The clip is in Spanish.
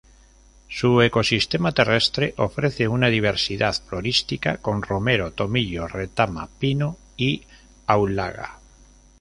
Su ecosistema terrestre ofrece una diversidad florística con romero, tomillo, retama, pino y aulaga.